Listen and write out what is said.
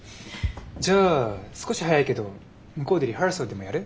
じゃあ少し早いけど向こうでリハーサルでもやる？